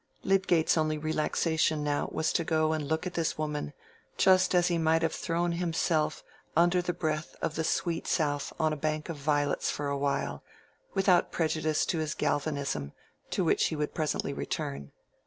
Lydgate's only relaxation now was to go and look at this woman, just as he might have thrown himself under the breath of the sweet south on a bank of violets for a while, without prejudice to his galvanism, to which he would presently return.